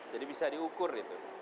jadi bisa diukur itu